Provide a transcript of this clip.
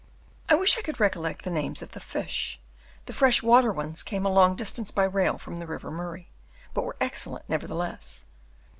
I wish I could recollect the names of the fish: the fresh water ones came a long distance by rail from the river Murray, but were excellent nevertheless.